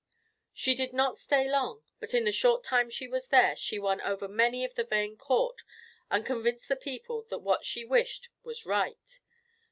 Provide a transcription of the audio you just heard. She did not stay long, but in the short time she was there she won over many of the vain court and convinced the people that what she wished was right.